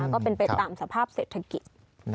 ก็เป็นไปตามสภาพเศรษฐกิจ